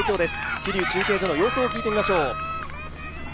桐生中継所の様子を聞いてみましょう。